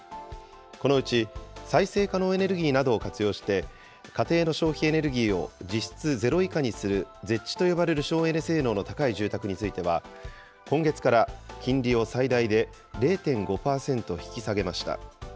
このうち再生可能エネルギーなどを活用して、家庭の消費エネルギーを実質ゼロ以下にするＺＥＨと呼ばれる省エネ性能の高い住宅については、今月から金利を最大で０．５％引き下げました。